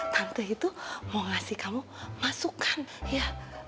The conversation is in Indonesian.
kartu itu mau ngasih kamu masukan ya